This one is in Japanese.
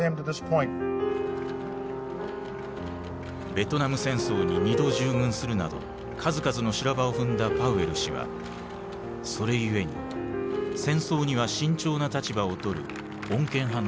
ベトナム戦争に２度従軍するなど数々の修羅場を踏んだパウエル氏はそれゆえに戦争には慎重な立場をとる穏健派の軍人だった。